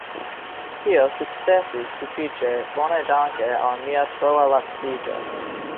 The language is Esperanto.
Tio sukcesis sufiĉe bone danke al nia troa laciĝo.